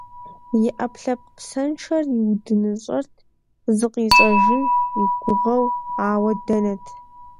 И ӏэпкълъэпкъ псэншэр иудыныщӏэрт, зыкъищӏэжын и гугъэу. Ауэ дэнэт…